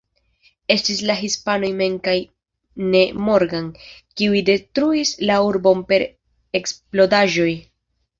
Estis la hispanoj mem kaj ne Morgan, kiuj detruis la urbon per eksplodaĵoj.